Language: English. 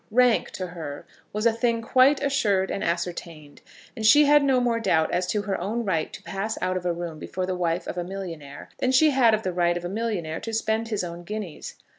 Rank to her was a thing quite assured and ascertained, and she had no more doubt as to her own right to pass out of a room before the wife of a millionaire than she had of the right of a millionaire to spend his own guineas.